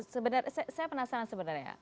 sebenarnya saya penasaran sebenarnya